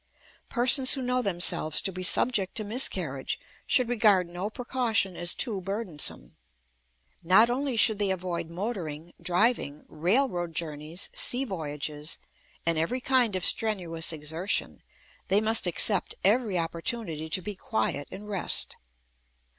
Persons who know themselves to be subject to miscarriage should regard no precaution as too burdensome. Not only should they avoid motoring, driving, railroad journeys, sea voyages, and every kind of strenuous exertion, they must accept every opportunity to be quiet and rest.